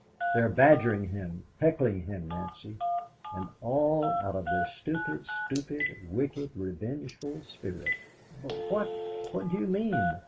They are badgering him, heckling him, Nancy. And all out of their stupid, stupid, wicked, revengeful spirits." "But what what do you mean?"